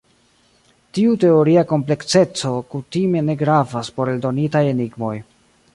Tiu teoria komplekseco kutime ne gravas por eldonitaj enigmoj.